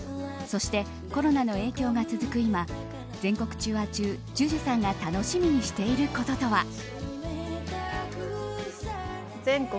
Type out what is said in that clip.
そして、コロナの影響が続く今全国ツアー中ＪＵＪＵさんが楽しみにしていることとは。